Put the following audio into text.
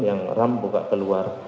yang ram buka ke luar